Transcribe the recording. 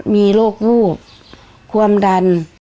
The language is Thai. มีโรควูบความดัน